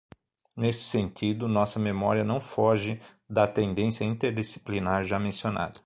Nesse sentido, nossa memória não foge da tendência interdisciplinar já mencionada.